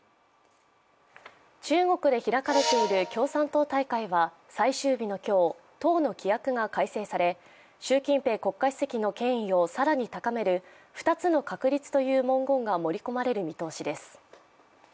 中国で開かれている共産党大会は最終日の今日、党の規約が改正され習近平国家主席の権威を更に高める二つの確立という文言が盛り込まれる見通しです。